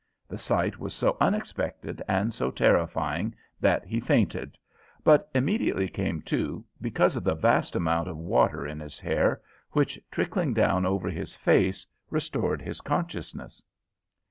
The sight was so unexpected and so terrifying that he fainted, but immediately came to, because of the vast amount of water in his hair, which, trickling down over his face, restored his consciousness.